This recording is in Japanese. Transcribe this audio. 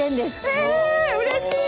えうれしい！